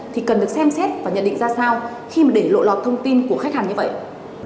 thì cần được xem xét và nhận định ra sao khi để lộ lọt thông tin của khách hàng như vậy